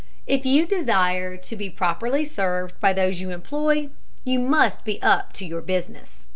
If you desire to be properly served by those you employ, you must be up to your business.